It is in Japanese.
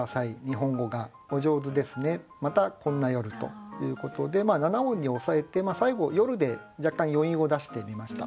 ということで７音に抑えて最後「夜」で若干余韻を出してみました。